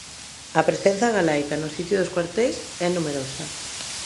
A presenza galaica no sitio dos cuarteis é numerosa.